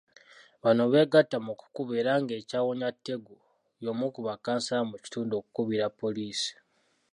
Bano beegatta mu kukuba era ng'ekyawonya Tegu y'omu ku bakkansala mu kitundu okukubira poliisi.